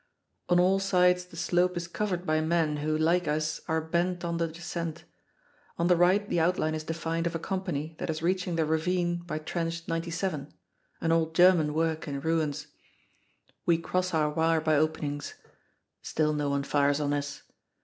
On all sides the slope is covered by men who, like us, are bent on the descent. On the right the outline is defined of a company that is reaching the ravine by Trench 97 an old German work in ruins. We cross our wire by openings. Still no one fires on us.